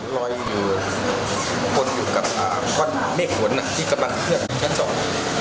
ลอยอยู่บนอยู่กับเมฆฝนที่กำลังเคลื่อนชั้นสอง